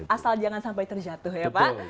asal jangan sampai terjatuh ya pak